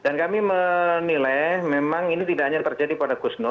dan kami menilai memang ini tidak hanya terjadi pada klien bapak